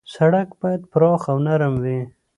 سړک باید پراخ او نرم وي.